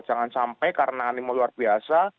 jangan sampai karena animo luar biasa